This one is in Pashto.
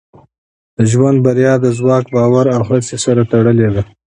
د ژوند بریا د ځواک، باور او هڅې سره تړلې ده.